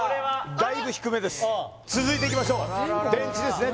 だいぶ低めです続いていきましょう電池ですね